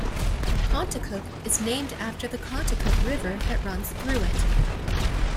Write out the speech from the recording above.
Contoocook is named after the Contoocook River that runs through it.